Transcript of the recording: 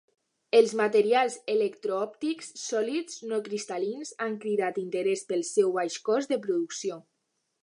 Els materials electro-òptics sòlids no cristal·lins han cridat interès pel seu baix cost de producció.